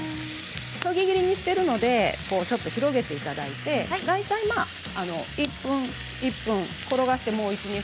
そぎ切りにしているのでちょっと広げていただいて大体１分、転がして１分。